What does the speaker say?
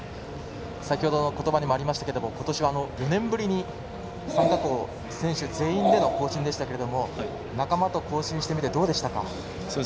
先程の言葉にもありましたが今年は４年ぶりに参加校、選手全員での行進でしたけども仲間と行進してみてどうでしたか。